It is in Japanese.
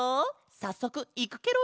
さっそくいくケロよ！